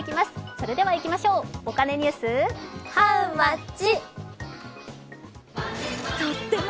それではいきましょう、お金ニュース、ハウマッチ！